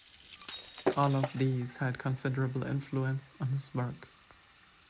All of these had considerable influence on his work.